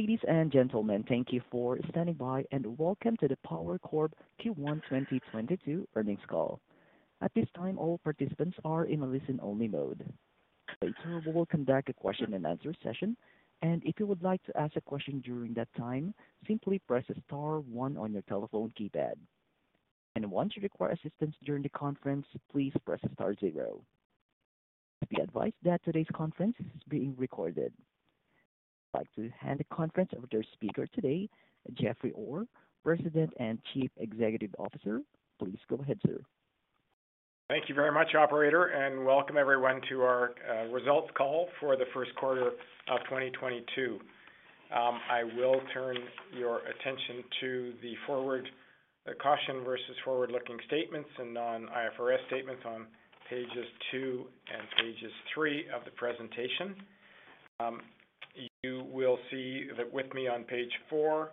Ladies and gentlemen, thank you for standing by, and welcome to the Power Corp Q1 2022 earnings call. At this time, all participants are in a listen-only mode. Later, we'll conduct a question-and-answer session. If you would like to ask a question during that time, simply press star one on your telephone keypad. Once you require assistance during the conference, please press star zero. Be advised that today's conference is being recorded. I'd like to hand the conference over to our speaker today, Jeffrey Orr, President and Chief Executive Officer. Please go ahead, sir. Thank you very much, operator, and welcome everyone to our results call for the first quarter of 2022. I will turn your attention to the Caution regarding Forward-Looking Statements and non-IFRS statements on pages 2 and 3 of the presentation. You will see that with me on page 4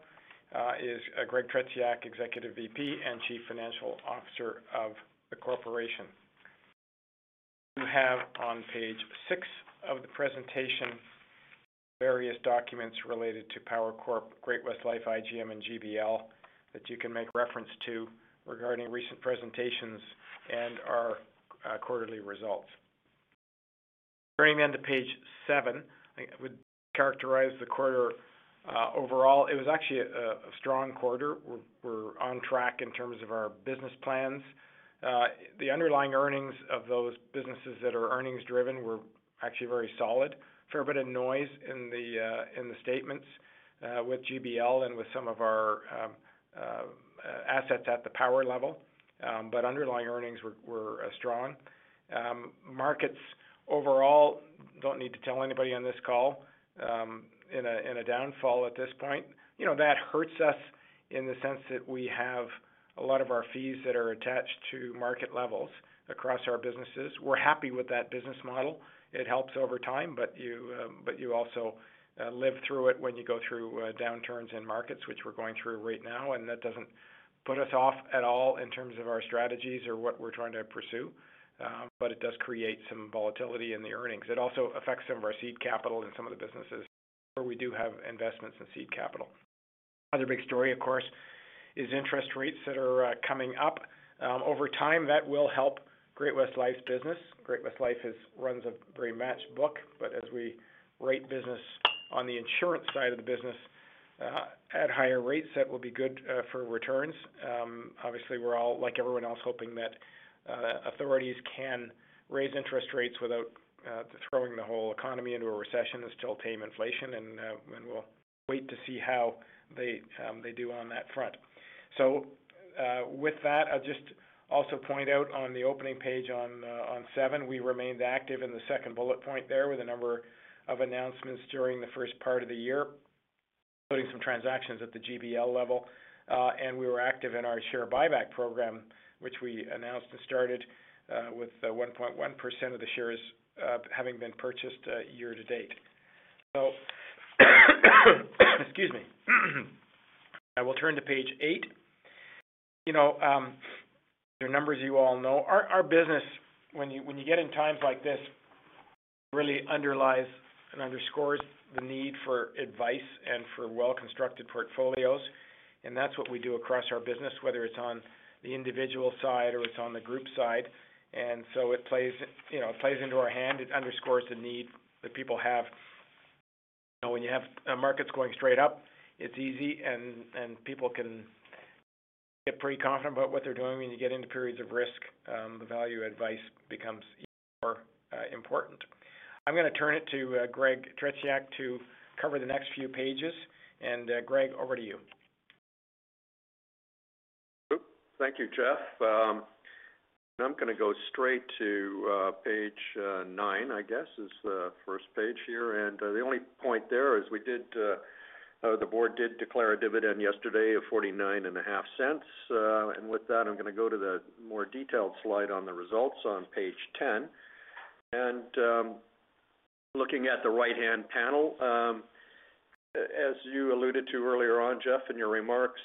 is Greg Tretiak, Executive VP and Chief Financial Officer of the corporation. You have on page 6 of the presentation various documents related to Power Corp, Great-West Life, IGM, and GBL that you can make reference to regarding recent presentations and our quarterly results. Turning to page 7, I would characterize the quarter. Overall, it was actually a strong quarter. We're on track in terms of our business plans. The underlying earnings of those businesses that are earnings-driven were actually very solid. fair bit of noise in the statements with GBL and with some of our assets at the Power level. Underlying earnings were strong. Markets overall, don't need to tell anybody on this call, in a downfall at this point. You know, that hurts us in the sense that we have a lot of our fees that are attached to market levels across our businesses. We're happy with that business model. It helps over time, but you also live through it when you go through downturns in markets which we're going through right now, and that doesn't put us off at all in terms of our strategies or what we're trying to pursue. It does create some volatility in the earnings. It also affects some of our seed capital in some of the businesses where we do have investments in seed capital. Other big story, of course, is interest rates that are coming up. Over time, that will help Great-West Life business. Great-West Life runs a very matched book, but as we re-rate business on the insurance side of the business at higher rates, that will be good for returns. Obviously, we're all, like everyone else, hoping that authorities can raise interest rates without throwing the whole economy into a recession and still tame inflation. We'll wait to see how they do on that front. With that, I'll just also point out on the opening page on seven, we remained active in the second bullet point there with a number of announcements during the first part of the year, including some transactions at the GBL level. We were active in our share buyback program, which we announced and started with 1.1% of the shares having been purchased year to date. Excuse me. I will turn to page eight. You know, the numbers you all know. Our business, when you get in times like this, really underlies and underscores the need for advice and for well-constructed portfolios. That's what we do across our business, whether it's on the individual side or it's on the group side. It plays, you know, into our hand. It underscores the need that people have. You know, when you have markets going straight up, it's easy and people can get pretty confident about what they're doing. When you get into periods of risk, the value advice becomes even more important. I'm gonna turn it to Greg Tretiak to cover the next few pages. Greg, over to you. Thank you, Jeff. I'm gonna go straight to page 9, I guess, is the first page here. The only point there is the board did declare a dividend yesterday of 0.495. With that, I'm gonna go to the more detailed slide on the results on page 10. Looking at the right-hand panel, as you alluded to earlier on, Jeff, in your remarks,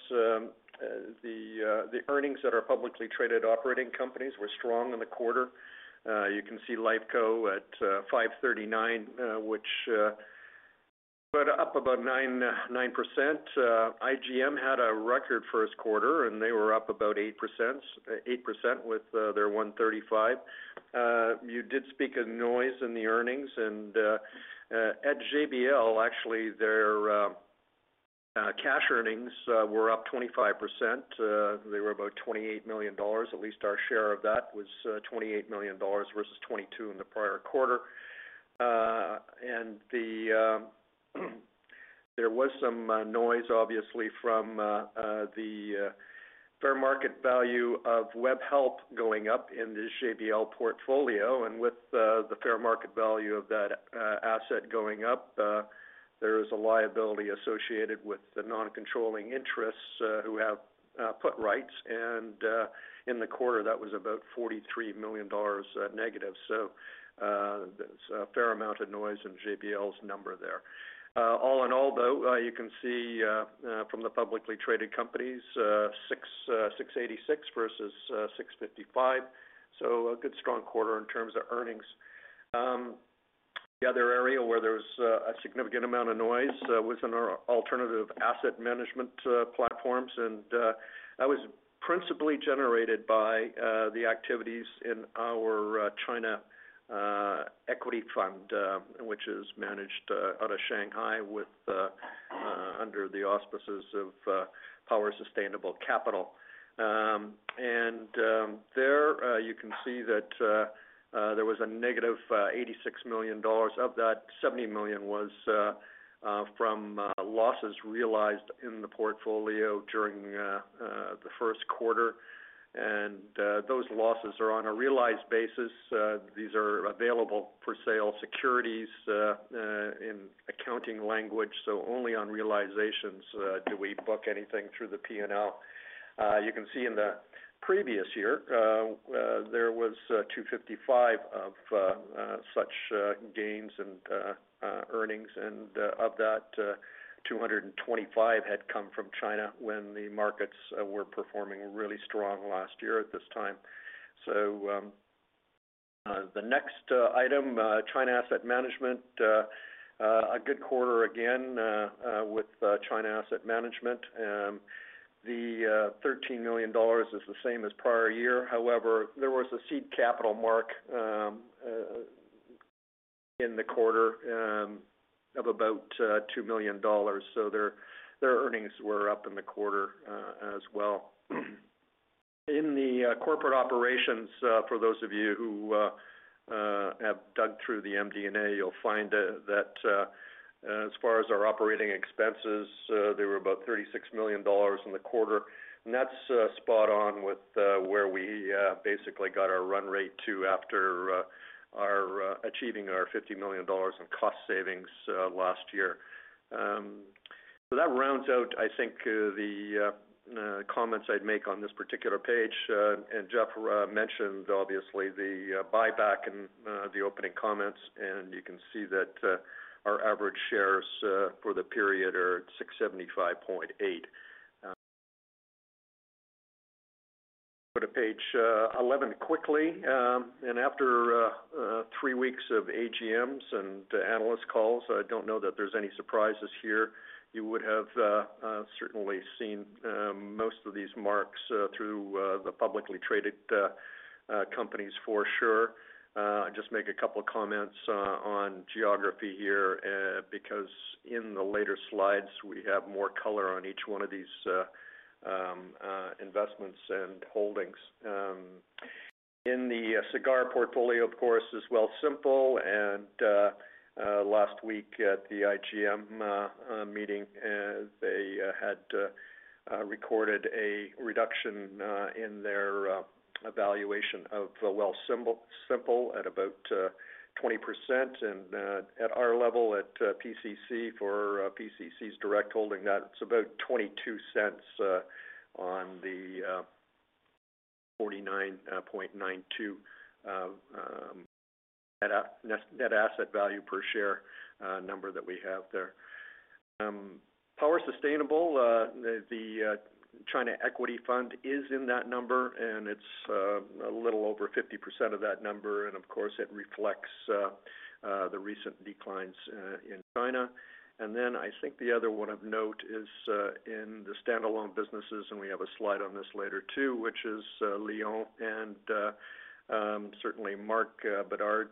the earnings that are publicly traded operating companies were strong in the quarter. You can see Lifeco at 539, which went up about 9%. IGM had a record first quarter, and they were up about 8% with their 135. You did speak of noise in the earnings. At GBL, actually, their cash earnings were up 25%. They were about 28 million dollars. At least our share of that was 28 million dollars versus 22 million in the prior quarter. There was some noise obviously from the fair market value of Webhelp going up in the GBL portfolio. With the fair market value of that asset going up, there is a liability associated with the non-controlling interests who have put rights. In the quarter, that was about 43 million dollars negative. There's a fair amount of noise in GBL's number there. All in all, though, you can see from the publicly traded companies, 686 versus 655. A good strong quarter in terms of earnings. The other area where there's a significant amount of noise was in our alternative asset management platforms. That was principally generated by the activities in our China Equity Fund, which is managed out of Shanghai under the auspices of Power Sustainable Capital. There you can see that there was a negative 86 million dollars. Of that, 70 million was from losses realized in the portfolio during the first quarter. Those losses are on a realized basis. These are available-for-sale securities in accounting language. Only on realizations do we book anything through the P&L. You can see in the previous year, there was 255 million of such gains and earnings. Of that, 225 million had come from China when the markets were performing really strong last year at this time. The next item, China Asset Management. A good quarter again with China Asset Management. The 13 million dollars is the same as prior year. However, there was a seed capital mark in the quarter of about 2 million dollars. Their earnings were up in the quarter as well. In the corporate operations, for those of you who have dug through the MD&A, you'll find that, as far as our operating expenses, they were about 36 million dollars in the quarter. That's spot on with where we basically got our run rate to after our achieving our 50 million dollars in cost savings last year. That rounds out, I think, the comments I'd make on this particular page. Jeff mentioned obviously the buyback in the opening comments, and you can see that our average shares for the period are at 675.8. Go to page 11 quickly. After 3 weeks of AGMs and analyst calls, I don't know that there's any surprises here. You would have certainly seen most of these names through the publicly traded companies for sure. I'll just make a couple of comments on geography here because in the later slides, we have more color on each one of these investments and holdings. In the Sagard portfolio, of course, is Wealthsimple. Last week at the IGM meeting, they had recorded a reduction in their valuation of Wealthsimple at about 20%. At our level at PCC for PCC's direct holding, that's about 0.22 on the 49.92 net asset value per share number that we have there. Power Sustainable, the China Equity Fund is in that number, and it's a little over 50% of that number. Of course, it reflects the recent declines in China. Then I think the other one of note is in the standalone businesses, and we have a slide on this later too, which is Lion. Certainly Marc Bédard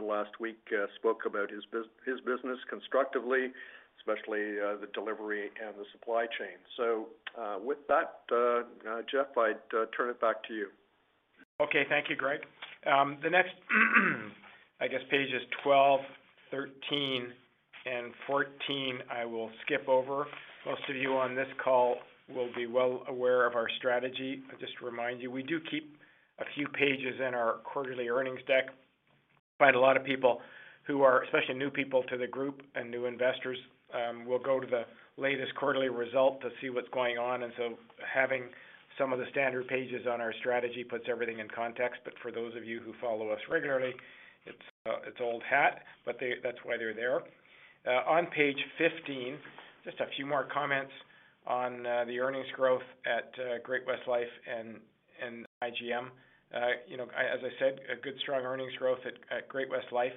last week spoke about his business constructively, especially the delivery and the supply chain. With that Jeff, I'd turn it back to you. Okay. Thank you, Greg. The next, I guess, pages 12, 13, and 14, I will skip over. Most of you on this call will be well aware of our strategy. Just to remind you, we do keep a few pages in our quarterly earnings deck. Quite a lot of people who are, especially new people to the group and new investors, will go to the latest quarterly result to see what's going on. Having some of the standard pages on our strategy puts everything in context. For those of you who follow us regularly, it's old hat, but that's why they're there. On page 15, just a few more comments on the earnings growth at Great-West Life and IGM. You know, as I said, a good strong earnings growth at Great-West Life.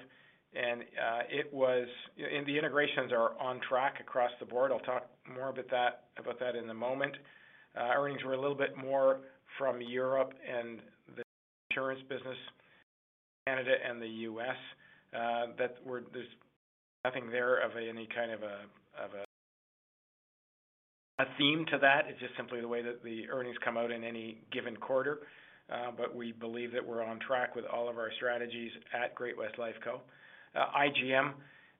The integrations are on track across the board. I'll talk more about that in a moment. Earnings were a little bit more from Europe and the insurance business in Canada and the US. There's nothing there of any kind of a theme to that. It's just simply the way that the earnings come out in any given quarter. We believe that we're on track with all of our strategies at Great-West Lifeco. IGM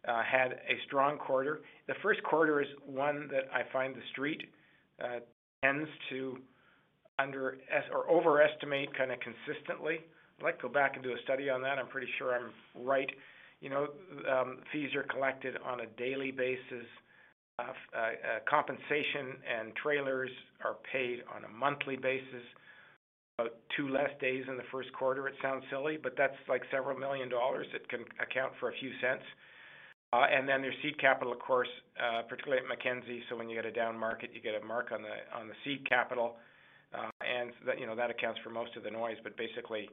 had a strong quarter. The first quarter is one that I find The Street tends to underestimate or overestimate kind of consistently. I'd like to go back and do a study on that. I'm pretty sure I'm right. You know, fees are collected on a daily basis. Compensation and trailers are paid on a monthly basis. About 2 less days in the first quarter, it sounds silly, but that's like several million CAD. It can account for a few cents. Then there's seed capital, of course, particularly at Mackenzie. When you get a down market, you get a mark on the seed capital. That, you know, accounts for most of the noise. Basically,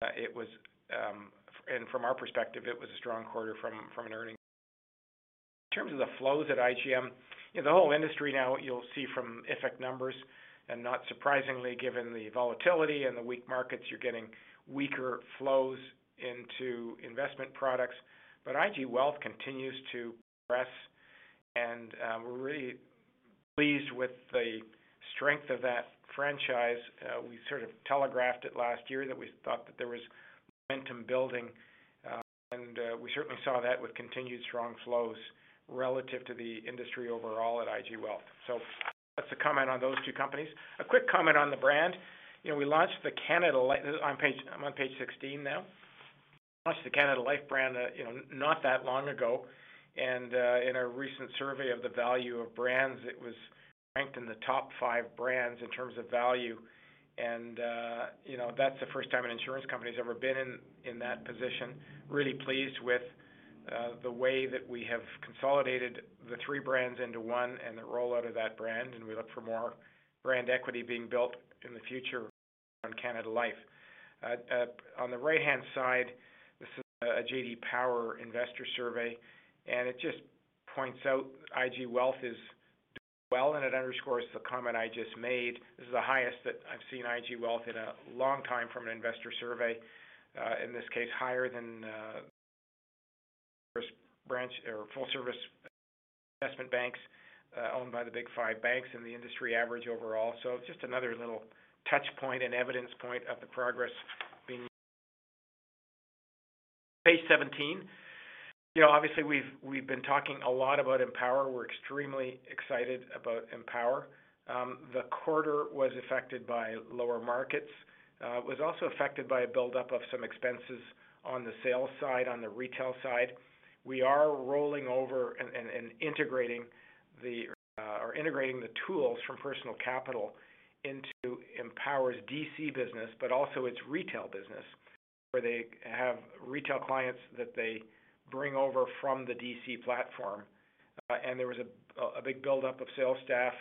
from our perspective, it was a strong quarter from an earnings perspective. In terms of the flows at IGM, you know, the whole industry now, you'll see from effect numbers, and not surprisingly, given the volatility and the weak markets, you're getting weaker flows into investment products. IG Wealth continues to progress, and we're really pleased with the strength of that franchise. We sort of telegraphed it last year that we thought that there was momentum building, and we certainly saw that with continued strong flows relative to the industry overall at IG Wealth. That's the comment on those two companies. A quick comment on the brand. You know, on page, I'm on page 16 now. We launched the Canada Life brand, you know, not that long ago, and in a recent survey of the value of brands, it was ranked in the top five brands in terms of value. You know, that's the first time an insurance company's ever been in that position. Really pleased with the way that we have consolidated the three brands into one and the rollout of that brand, and we look for more brand equity being built in the future around Canada Life. On the right-hand side, this is a J.D. Power investor survey, and it just points out IG Wealth is doing well, and it underscores the comment I just made. This is the highest that I've seen IG Wealth in a long time from an investor survey, in this case, higher than the full service branch or full service investment banks owned by the Big Five banks and the industry average overall. Just another little touch point and evidence point of the progress being made. Page seventeen. You know, obviously, we've been talking a lot about Empower. We're extremely excited about Empower. The quarter was affected by lower markets. It was also affected by a build-up of some expenses on the sales side, on the retail side. We are rolling over and integrating the tools from Personal Capital into Empower's DC business, but also its retail business, where they have retail clients that they bring over from the DC platform. There was a big build-up of sales staff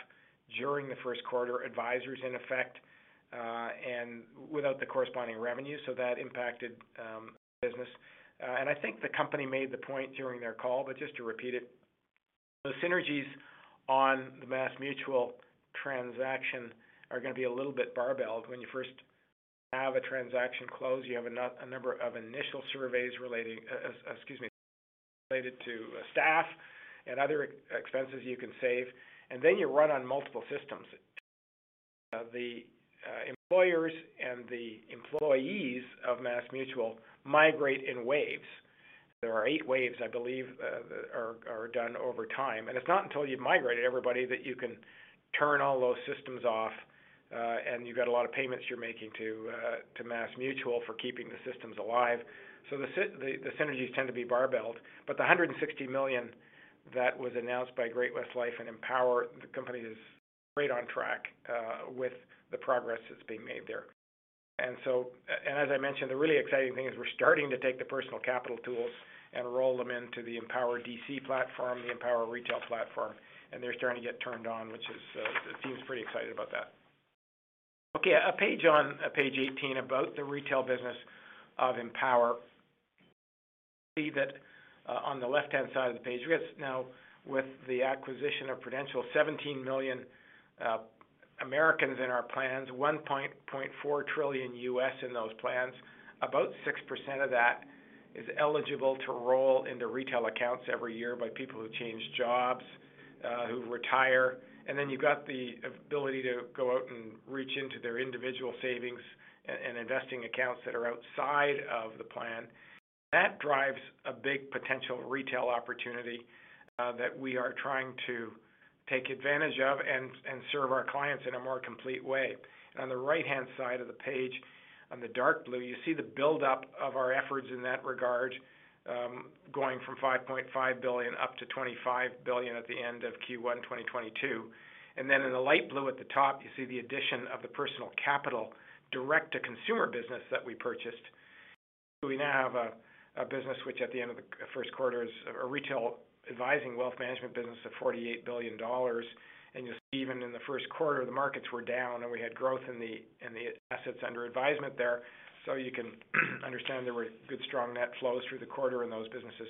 during the first quarter, advisors in IFIC, and without the corresponding revenue, so that impacted the business. I think the company made the point during their call, but just to repeat it, the synergies on the MassMutual transaction are gonna be a little bit barbelled. When you first have a transaction closed, you have a number of initial surveys related to staff and other expenses you can save. Then you run on multiple systems. The employers and the employees of MassMutual migrate in waves. There are eight waves, I believe, done over time. It's not until you've migrated everybody that you can turn all those systems off, and you've got a lot of payments you're making to MassMutual for keeping the systems alive. The synergies tend to be barbelled. The $160 million that was announced by Great-West Life and Empower, the company is right on track with the progress that's being made there. As I mentioned, the really exciting thing is we're starting to take the Personal Capital tools and roll them into the Empower DC platform, the Empower retail platform, and they're starting to get turned on, which is, the team's pretty excited about that. Okay, page eighteen about the retail business of Empower. You see that, on the left-hand side of the page, we now with the acquisition of Prudential, 17 million Americans in our plans, $1.4 trillion in those plans. About 6% of that is eligible to roll into retail accounts every year by people who change jobs, who retire. You've got the ability to go out and reach into their individual savings and investing accounts that are outside of the plan. That drives a big potential retail opportunity that we are trying to take advantage of and serve our clients in a more complete way. On the right-hand side of the page, on the dark blue, you see the build-up of our efforts in that regard, going from $5.5 billion up to $25 billion at the end of Q1 2022. In the light blue at the top, you see the addition of the Personal Capital direct to consumer business that we purchased. We now have a business which at the end of the first quarter is a retail advising wealth management business of $48 billion. You'll see even in the first quarter, the markets were down, and we had growth in the assets under advisement there. You can understand there were good strong net flows through the quarter in those businesses.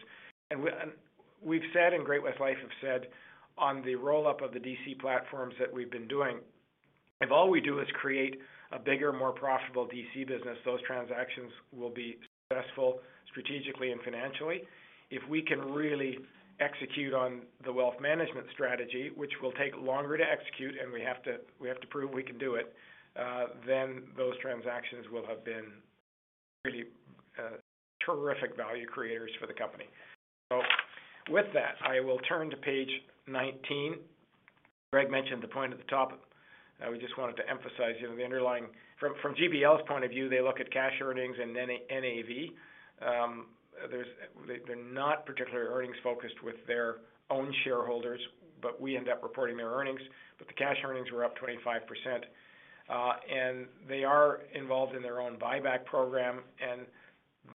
We've said and Great-West Life have said on the roll-up of the DC platforms that we've been doing, if all we do is create a bigger, more profitable DC business, those transactions will be successful strategically and financially. If we can really execute on the wealth management strategy, which will take longer to execute, and we have to, we have to prove we can do it, then those transactions will have been really, terrific value creators for the company. With that, I will turn to page 19. Greg mentioned the point at the top. We just wanted to emphasize, you know, the underlying. From GBL's point of view, they look at cash earnings and NAV. They're not particularly earnings-focused with their own shareholders, but we end up reporting their earnings. The cash earnings were up 25%. They are involved in their own buyback program.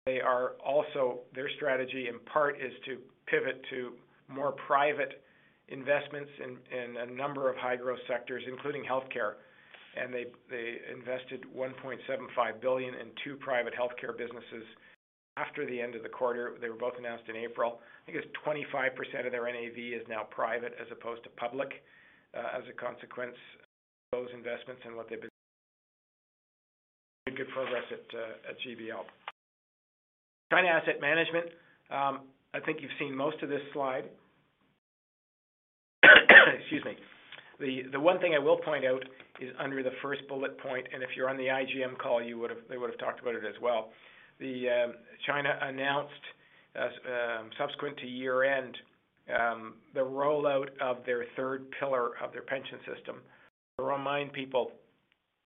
They are also, their strategy in part is to pivot to more private investments in a number of high-growth sectors, including healthcare. They invested 1.75 billion in two private healthcare businesses after the end of the quarter. They were both announced in April. I think it's 25% of their NAV is now private as opposed to public, as a consequence of those investments and what they've been doing. Very good progress at GBL. China Asset Management, I think you've seen most of this slide. One thing I will point out is under the first bullet point, and if you're on the IGM call, they would have talked about it as well. China announced, as subsequent to year-end, the rollout of their third pillar of their pension system. To remind people,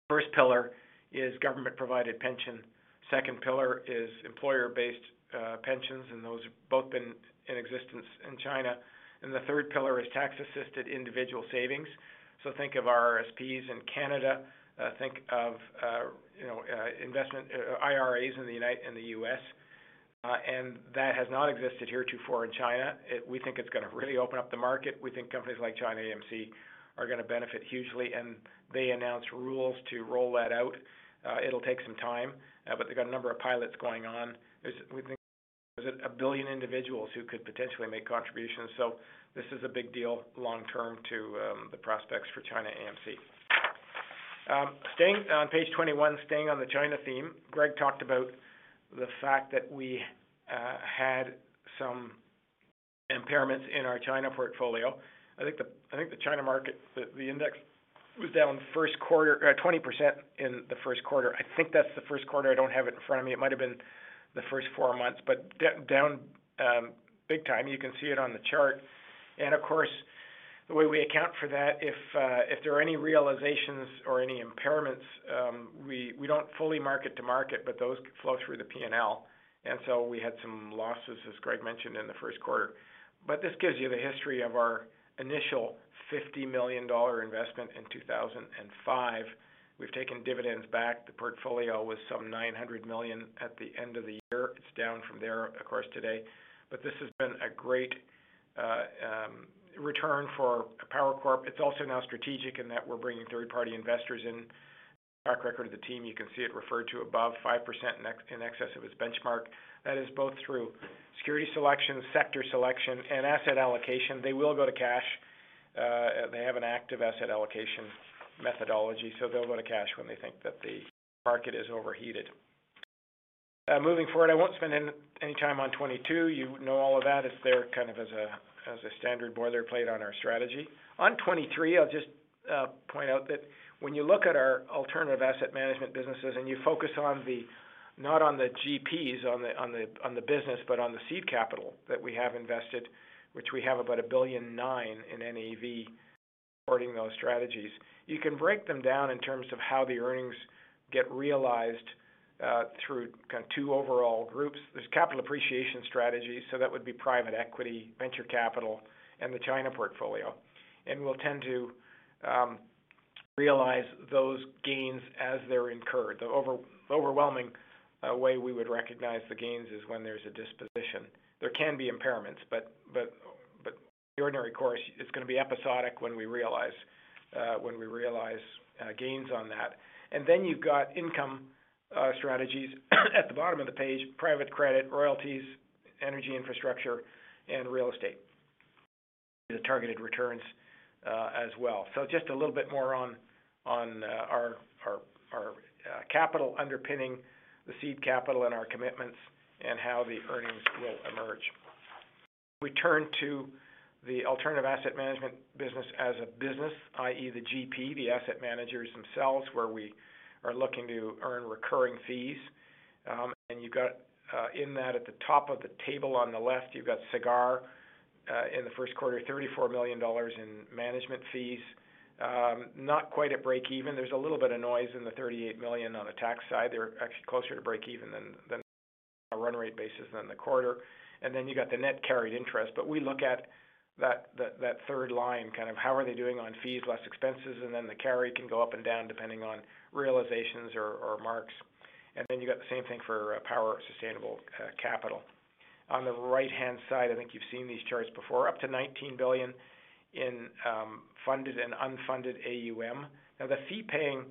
the first pillar is government-provided pension, second pillar is employer-based pensions, and those have both been in existence in China. The third pillar is tax-assisted individual savings. Think of RRSPs in Canada, think of you know investment IRAs in the US. That has not existed heretofore in China. We think it's gonna really open up the market. We think companies like ChinaAMC are gonna benefit hugely, and they announce rules to roll that out. It'll take some time, but they've got a number of pilots going on. We think there's 1 billion individuals who could potentially make contributions. This is a big deal long term to the prospects for ChinaAMC. Staying on page 21, staying on the China theme, Greg talked about the fact that we had some impairments in our China portfolio. I think the China market, the index was down first quarter, 20% in the first quarter. I think that's the first quarter. I don't have it in front of me. It might have been the first four months, but down, big time. You can see it on the chart. Of course, the way we account for that, if there are any realizations or any impairments, we don't fully mark-to-market, but those could flow through the P&L. We had some losses, as Greg mentioned, in the first quarter. This gives you the history of our initial 50 million dollar investment in 2005. We've taken dividends back. The portfolio was some 900 million at the end of the year. It's down from there, of course, today. This has been a great return for Power Corp. It's also now strategic in that we're bringing third-party investors in. The track record of the team, you can see it referred to above, 5% in excess of its benchmark. That is both through security selection, sector selection, and asset allocation. They will go to cash. They have an active asset allocation methodology, so they'll go to cash when they think that the market is overheated. Moving forward, I won't spend any time on 2022. You know all of that. It's there kind of as a standard boilerplate on our strategy. On 2023, I'll just point out that when you look at our alternative asset management businesses and you focus on—not on the GPs, but on the seed capital that we have invested, which we have about 1.9 billion in NAV supporting those strategies, you can break them down in terms of how the earnings get realized through kind of two overall groups. There's capital appreciation strategies, so that would be private equity, venture capital, and the China portfolio. We'll tend to realize those gains as they're incurred. The overwhelming way we would recognize the gains is when there's a disposition. There can be impairments, but in the ordinary course, it's gonna be episodic when we realize gains on that. Then you've got income strategies at the bottom of the page, private credit, royalties, energy infrastructure, and real estate. These are targeted returns as well. Just a little bit more on our capital underpinning the seed capital and our commitments and how the earnings will emerge. We turn to the alternative asset management business as a business, i.e., the GP, the asset managers themselves, where we are looking to earn recurring fees. You've got, in that at the top of the table on the left, you've got Sagard, in the first quarter, 34 million dollars in management fees. Not quite at break even. There's a little bit of noise in the 38 million on the tax side. They're actually closer to break even than on a run rate basis than the quarter. Then you got the net carried interest. We look at that third line, kind of how are they doing on fees, less expenses, and then the carry can go up and down depending on realizations or marks. Then you got the same thing for Power Sustainable Capital. On the right-hand side, I think you've seen these charts before, up to 19 billion in funded and unfunded AUM. Now, the fee-paying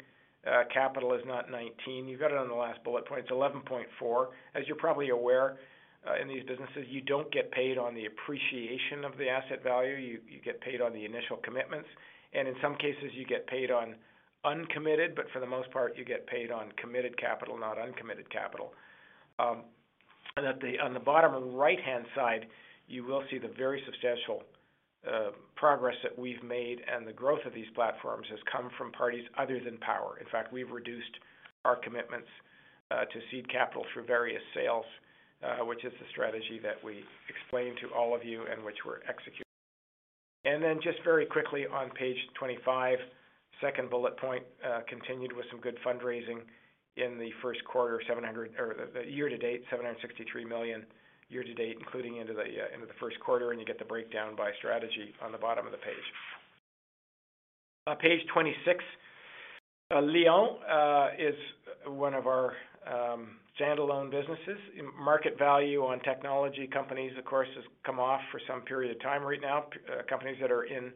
capital is not 19. You've got it on the last bullet point. It's 11.4. As you're probably aware, in these businesses, you don't get paid on the appreciation of the asset value. You get paid on the initial commitments. In some cases, you get paid on uncommitted, but for the most part, you get paid on committed capital, not uncommitted capital. On the bottom right-hand side, you will see the very substantial progress that we've made and the growth of these platforms has come from parties other than Power. In fact, we've reduced our commitments to seed capital through various sales, which is the strategy that we explained to all of you and which we're executing. Just very quickly on page 25, second bullet point, continued with some good fundraising in the first quarter, the year-to-date, 763 million year-to-date, including into the first quarter, and you get the breakdown by strategy on the bottom of the page. On page 26, Lion is one of our standalone businesses. Market value on technology companies, of course, has come off for some period of time right now. Companies that are in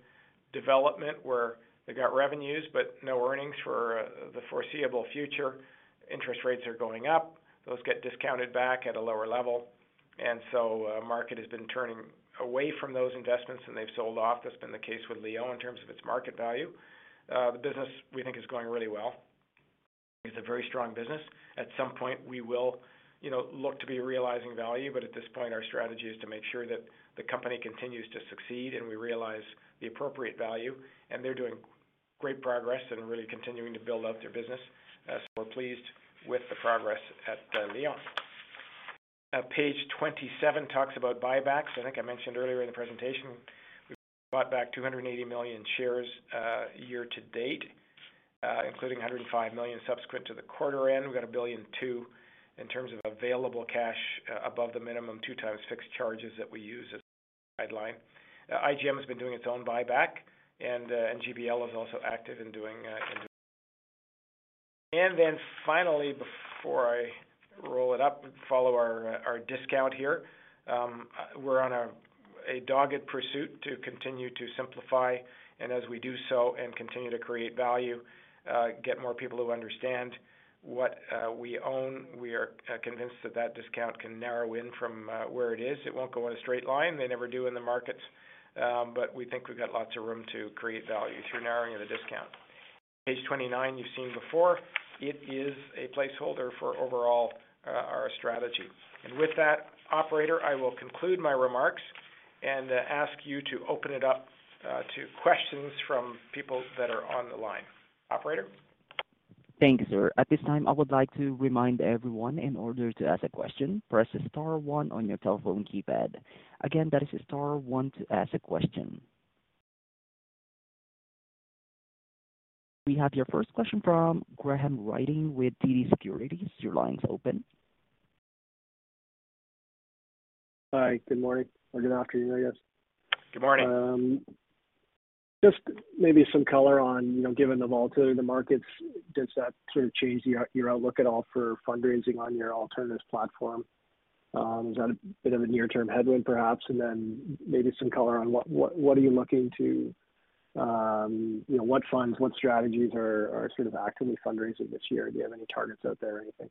development where they've got revenues but no earnings for the foreseeable future. Interest rates are going up. Those get discounted back at a lower level. Market has been turning away from those investments and they've sold off. That's been the case with Lion in terms of its market value. The business we think is going really well. It's a very strong business. At some point, we will, you know, look to be realizing value, but at this point, our strategy is to make sure that the company continues to succeed and we realize the appropriate value. They're doing great progress and really continuing to build out their business. We're pleased with the progress at Lion. Page 27 talks about buybacks. I think I mentioned earlier in the presentation, we bought back 280 million shares year to date, including 105 million subsequent to the quarter end. We've got 1.2 billion in terms of available cash above the minimum 2 times fixed charges that we use as a guideline. IGM has been doing its own buyback, and GBL is also active in doing. Then finally, before I roll it up, follow our discount here, we're on a dogged pursuit to continue to simplify. As we do so and continue to create value, get more people who understand what we own. We are convinced that discount can narrow in from where it is. It won't go in a straight line. They never do in the markets, but we think we've got lots of room to create value through narrowing of the discount. Page 29, you've seen before. It is a placeholder for overall our strategy. With that, operator, I will conclude my remarks and ask you to open it up to questions from people that are on the line. Operator? Thank you, sir. At this time, I would like to remind everyone, in order to ask a question, press star one on your telephone keypad. Again, that is star one to ask a question. We have your first question from Graham Ryding with TD Securities. Your line's open. Hi, good morning or good afternoon, I guess. Good morning. Just maybe some color on, you know, given the volatility of the markets, does that sort of change your outlook at all for fundraising on your alternatives platform? Is that a bit of a near-term headwind, perhaps? Maybe some color on what are you looking to, you know, what funds, what strategies are sort of actively fundraising this year? Do you have any targets out there or anything?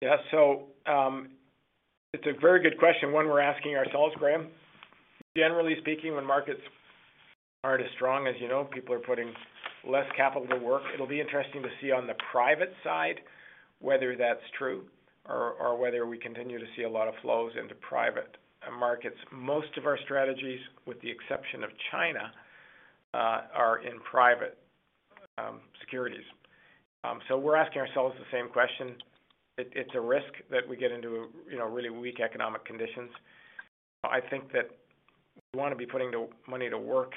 It's a very good question, one we're asking ourselves, Graham. Generally speaking, when markets aren't as strong as you know, people are putting less capital to work. It'll be interesting to see on the private side whether that's true or whether we continue to see a lot of flows into private markets. Most of our strategies, with the exception of China, are in private securities. We're asking ourselves the same question. It's a risk that we get into, you know, really weak economic conditions. I think that we want to be putting the money to work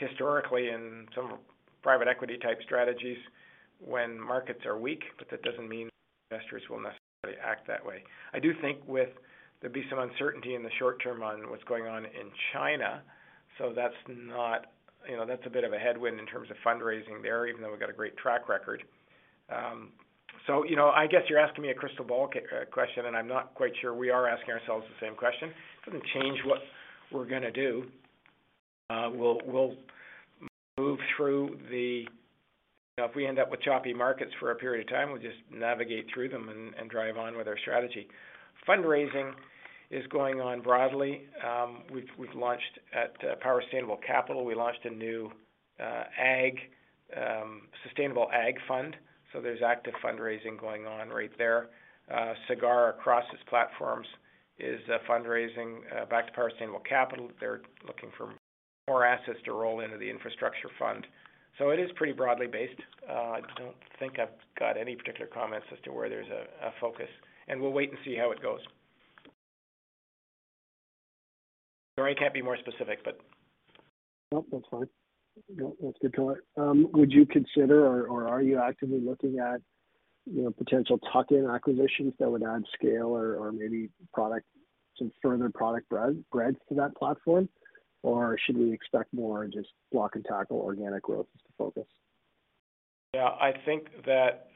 historically in some private equity type strategies when markets are weak, but that doesn't mean investors will necessarily act that way. I do think there'd be some uncertainty in the short term on what's going on in China. That's not, you know, that's a bit of a headwind in terms of fundraising there, even though we've got a great track record. You know, I guess you're asking me a crystal ball question, and I'm not quite sure. We are asking ourselves the same question. It doesn't change what we're gonna do. We'll move through. If we end up with choppy markets for a period of time, we'll just navigate through them and drive on with our strategy. Fundraising is going on broadly. We've launched at Power Sustainable Capital, we launched a new sustainable ag fund. There's active fundraising going on right there. Sagard across its platforms is fundraising. Back to Power Sustainable Capital, they're looking for more assets to roll into the infrastructure fund. It is pretty broadly based. I don't think I've got any particular comments as to where there's a focus. We'll wait and see how it goes. Sorry, can't be more specific. No, that's fine. No, that's good color. Would you consider or are you actively looking at, you know, potential tuck-in acquisitions that would add scale or maybe some further product breadth to that platform? Or should we expect more just block and tackle organic growth as the focus? Yeah, I think that,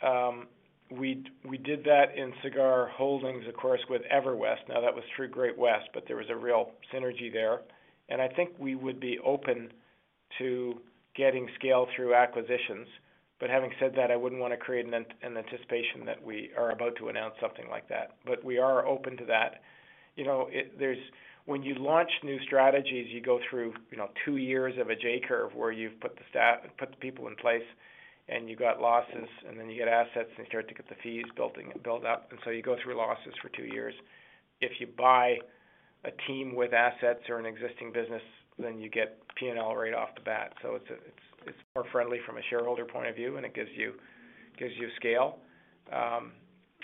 we did that in Sagard Holdings, of course, with EverWest. Now that was through Great-West, but there was a real synergy there. I think we would be open to getting scale through acquisitions. Having said that, I wouldn't want to create an anticipation that we are about to announce something like that. We are open to that. You know, when you launch new strategies, you go through, you know, two years of a J-curve where you've put the people in place and you got losses, and then you get assets and start to get the fees building and build up. You go through losses for two years. If you buy a team with assets or an existing business, then you get P&L right off the bat. It's more friendly from a shareholder point of view, and it gives you scale.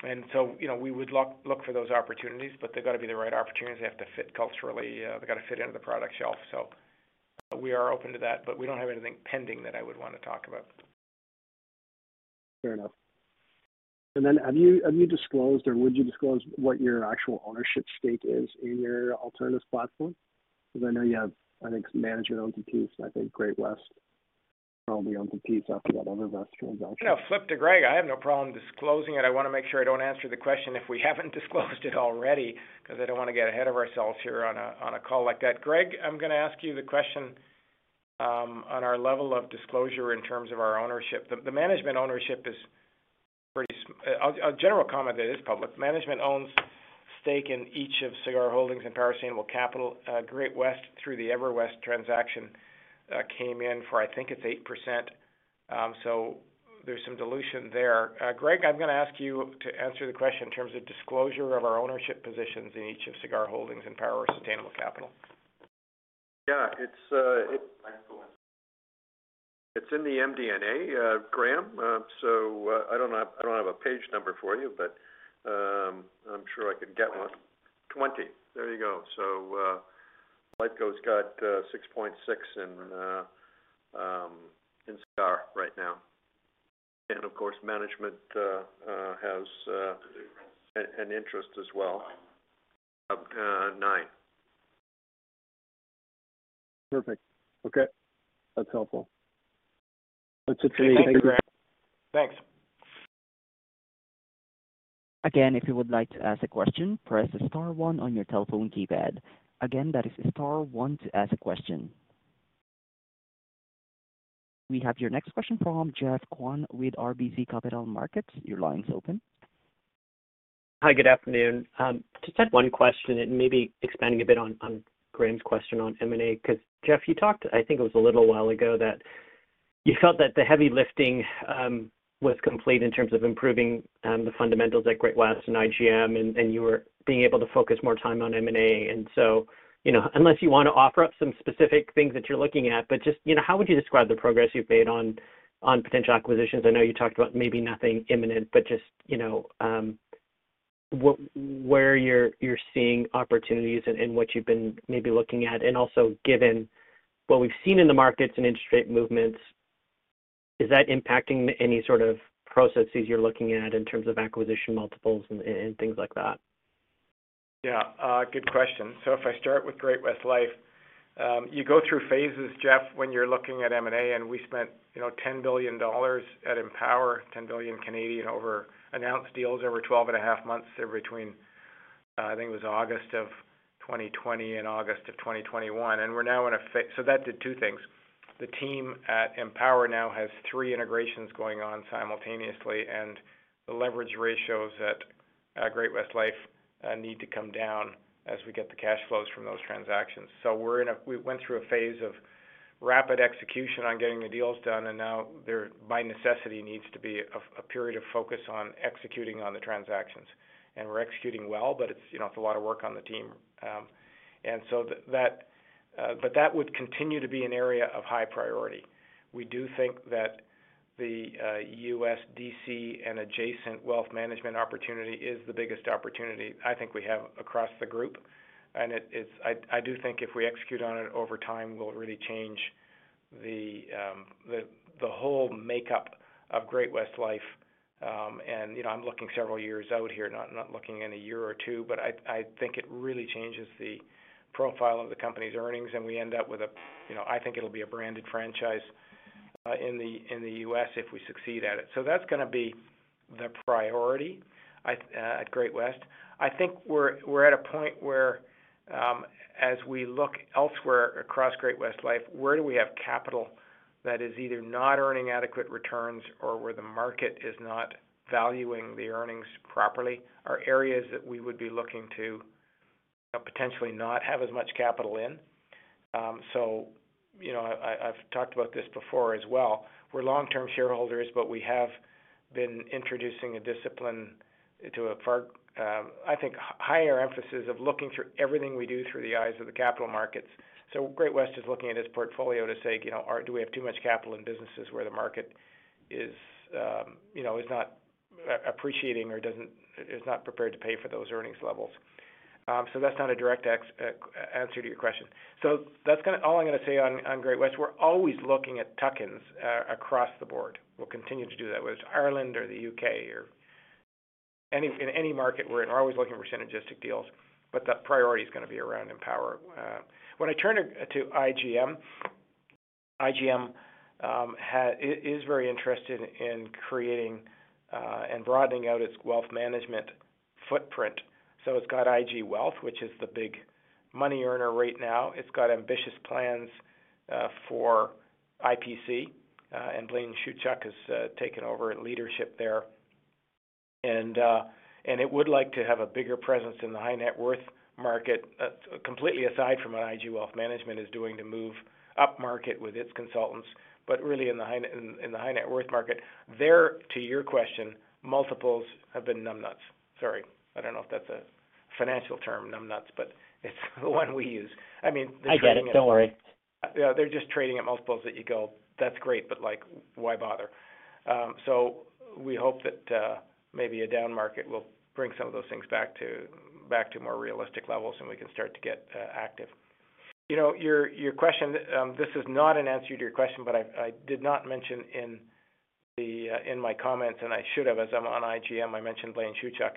You know, we would look for those opportunities, but they've got to be the right opportunities. They have to fit culturally, they've got to fit into the product shelf. We are open to that, but we don't have anything pending that I would want to talk about. Fair enough. Have you disclosed or would you disclose what your actual ownership stake is in your alternatives platform? Because I know you have, I think, management-owned piece, and I think Great-West probably owned the piece after that EverWest transaction. You know, flip to Greg. I have no problem disclosing it. I want to make sure I don't answer the question if we haven't disclosed it already because I don't want to get ahead of ourselves here on a call like that. Greg, I'm going to ask you the question on our level of disclosure in terms of our ownership. The management ownership. I'll generally comment that it is public. Management owns stake in each of Sagard Holdings and Power Sustainable Capital. Great-West through the EverWest transaction came in for, I think it's 8%. So there's some dilution there. Greg, I'm going to ask you to answer the question in terms of disclosure of our ownership positions in each of Sagard Holdings and Power Sustainable Capital. It's in the MD&A, Graham. I don't have a page number for you, but I'm sure I could get one. 20. There you go. Lifeco's got 6.6% in Sagard right now. Of course, management has an interest as well. 9%. Perfect. Okay. That's helpful. That's it for me. Thank you. Thank you, Greg. Thanks. Again, if you would like to ask a question, press star one on your telephone keypad. Again, that is star one to ask a question. We have your next question from Geoff Kwan with RBC Capital Markets. Your line's open. Hi, good afternoon. Just had one question and maybe expanding a bit on Graham's question on M&A, because Geoffrey, you talked, I think it was a little while ago that you felt that the heavy lifting was complete in terms of improving the fundamentals at Great-West and IGM, and you were being able to focus more time on M&A. You know, unless you want to offer up some specific things that you're looking at, but just, you know, how would you describe the progress you've made on potential acquisitions? I know you talked about maybe nothing imminent, but just, you know, where you're seeing opportunities and what you've been maybe looking at. Also given what we've seen in the markets and interest rate movements, is that impacting any sort of processes you're looking at in terms of acquisition multiples and things like that? Yeah. Good question. If I start with Great-West Life, you go through phases, Jeff, when you're looking at M&A, and we spent, you know, $10 billion at Empower, 10 billion over announced deals over 12.5 months between, I think it was August of 2020 and August of 2021. That did 2 things. The team at Empower now has 3 integrations going on simultaneously, and the leverage ratios at Great-West Life need to come down as we get the cash flows from those transactions. We went through a phase of rapid execution on getting the deals done, and now there, by necessity, needs to be a period of focus on executing on the transactions. We're executing well, but it's, you know, it's a lot of work on the team. That would continue to be an area of high priority. We do think that the U.S. DC and adjacent wealth management opportunity is the biggest opportunity I think we have across the group. It is. I do think if we execute on it over time, we'll really change the whole makeup of Great-West Life. You know, I'm looking several years out here, not looking in a year or two, but I think it really changes the profile of the company's earnings, and we end up with, you know, I think it'll be a branded franchise in the U.S. if we succeed at it. That's going to be the priority at Great-West. I think we're at a point where, as we look elsewhere across Great-West Life, where do we have capital that is either not earning adequate returns or where the market is not valuing the earnings properly, are areas that we would be looking to potentially not have as much capital in. You know, I've talked about this before as well. We're long-term shareholders, but we have been introducing a discipline to a far, I think higher emphasis of looking through everything we do through the eyes of the capital markets. Great-West is looking at its portfolio to say, you know, do we have too much capital in businesses where the market is, you know, is not appreciating or is not prepared to pay for those earnings levels. That's not a direct answer to your question. That's kinda all I'm going to say on Great-West. We're always looking at tuck-ins across the board. We'll continue to do that, whether it's Ireland or the UK or in any market we're in, always looking for synergistic deals, but the priority is going to be around Empower. When I turn to IGM, it is very interested in creating and broadening out its wealth management footprint. It's got IG Wealth, which is the big money earner right now. It's got ambitious plans for IPC, and Blaine Shewchuk has taken over leadership there. It would like to have a bigger presence in the high net worth market, completely aside from what IG Wealth Management is doing to move upmarket with its consultants, but really in the high net worth market. To your question, multiples have been numbnuts. Sorry, I don't know if that's a financial term, numbnuts, but it's the one we use. I mean. I get it. Don't worry. Yeah, they're just trading at multiples that you go, that's great, but like, why bother? So we hope that maybe a down market will bring some of those things back to more realistic levels, and we can start to get active. You know, your question, this is not an answer to your question, but I did not mention in my comments, and I should have, as I'm on IGM, I mentioned Blaine Shewchuk.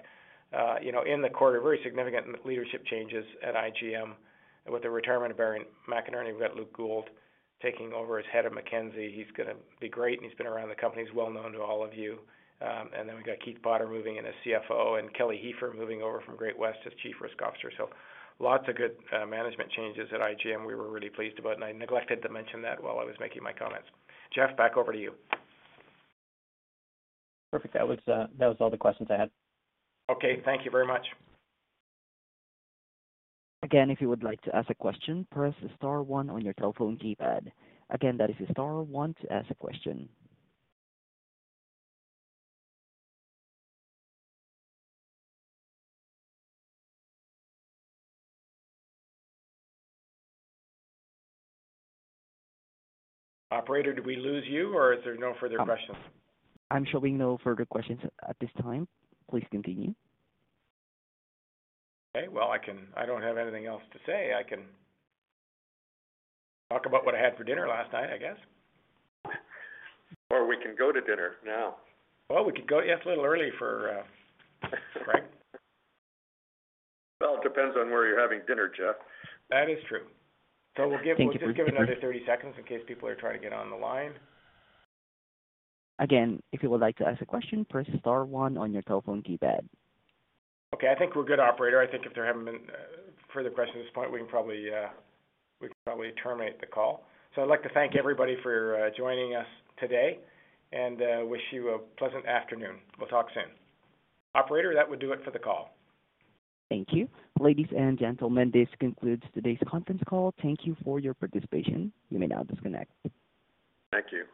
You know, in the quarter, very significant leadership changes at IGM with the retirement of Barry McInerney. We've got Luke Gould taking over as head of Mackenzie. He's gonna be great, and he's been around the company. He's well known to all of you. And then we got Keith Potter moving in as CFO and Kelly Hepher moving over from Great-West as chief risk officer. Lots of good management changes at IGM we were really pleased about. I neglected to mention that while I was making my comments. Jeff, back over to you. Perfect. That was all the questions I had. Okay, thank you very much. Again, if you would like to ask a question, press star one on your telephone keypad. Again, that is star one to ask a question. Operator, did we lose you, or is there no further questions? I'm showing no further questions at this time. Please continue. Okay. Well, I don't have anything else to say. I can talk about what I had for dinner last night, I guess. We can go to dinner now. Well, we could go. It's a little early for Frank. Well, it depends on where you're having dinner, Jeff. That is true. Thank you. We'll just give another 30 seconds in case people are trying to get on the line. Again, if you would like to ask a question, press star one on your telephone keypad. Okay, I think we're good, operator. I think if there haven't been further questions at this point, we can probably terminate the call. I'd like to thank everybody for joining us today and wish you a pleasant afternoon. We'll talk soon. Operator, that would do it for the call. Thank you. Ladies and gentlemen, this concludes today's conference call. Thank you for your participation. You may now disconnect. Thank you.